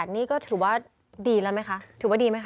๖๘นี่ก็ถือว่าดีแล้วไหมคะ